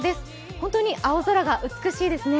本当に青空が美しいですね。